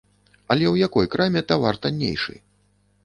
Але ў якой краме тавар таннейшы?